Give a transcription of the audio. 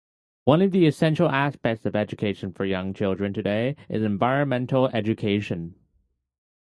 One of the essential aspects of education for young children today is environmental education.